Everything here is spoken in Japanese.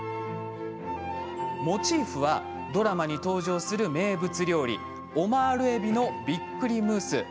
モチーフはドラマに登場する名物料理オマール海老のびっくりムース。